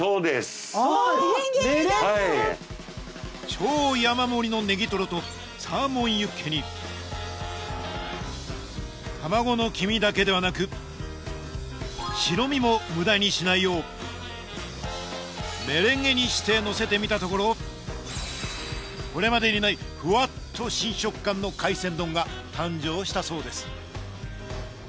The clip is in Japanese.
超山盛りのネギトロとサーモンユッケに卵の黄身だけではなく白身も無駄にしないようメレンゲにして乗せてみたところこれまでにないふわっと新食感の海鮮丼が誕生したそうです